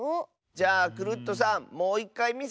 じゃあクルットさんもういっかいみせて！